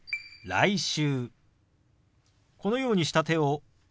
「来週」。